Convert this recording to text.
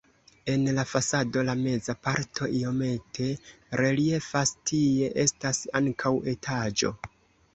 En la fasado la meza parto iomete reliefas, tie estas ankaŭ etaĝo.